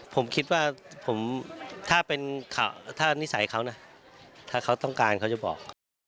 ผมคิดว่าผมถ้านิสัยเขานะถ้าเขาต้องการเขาจะบอก